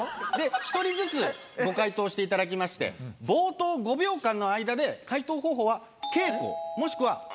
１人ずつご解答していただきまして冒頭５秒間の間で解答方法は。